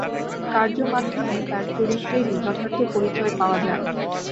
কার্য-মাধ্যমে তার চরিত্রেরই যথার্থ পরিচয় পাওয়া যায়।